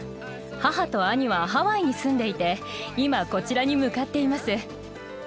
母と兄はハワイに住んでいて、今、こちらに向かっています。